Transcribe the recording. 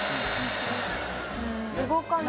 動かない。